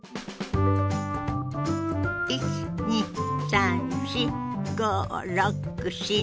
１２３４５６７８。